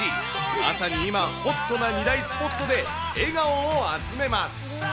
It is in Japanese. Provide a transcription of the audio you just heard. まさに今ホットな２大スポットで、笑顔を集めます。